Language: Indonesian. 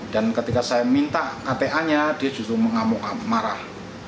dan ketika saya minta kta nya dia justru mengamuk marah